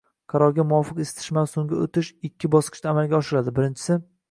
Qarorga muvofiq, isitish mavsumiga o'tish ikki bosqichda amalga oshiriladi: birinchi